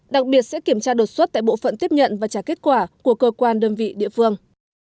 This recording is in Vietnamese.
đặc biệt sẽ kiểm tra đột xuất tại bộ phận tiếp nhận và trả kết quả của cơ quan đơn vị địa phương